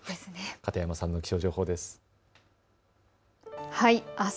片山さんの気象情報です。